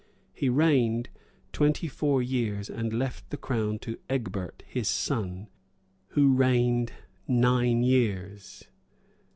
He reigned twenty four years, and left the crown to Egbert, his son, who reigned nine years.